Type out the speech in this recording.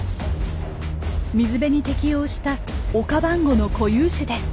水辺に適応したオカバンゴの固有種です。